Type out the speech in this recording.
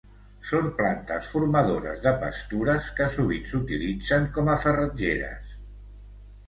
Són plantes formadores de pastures que sovint s'utilitzen com a farratgeres.